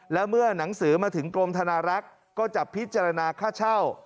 แล้วเมื่อหนังสือมาถึงกรมธนารักษ์ก็จะพิจารณาค่าเช่า